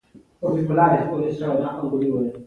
دولتونه پانګوال هڅوي.